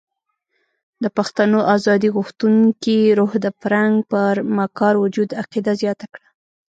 د پښتنو ازادي غوښتونکي روح د فرنګ پر مکار وجود عقیده زیاته کړه.